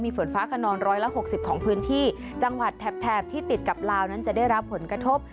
ฝนฟ้าขนองร้อยละหกสิบของพื้นที่จังหวัดแถบแถบที่ติดกับลาวนั้นจะได้รับผลกระทบ